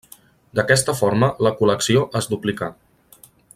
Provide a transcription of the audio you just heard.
D'aquesta forma la col·lecció es duplicà.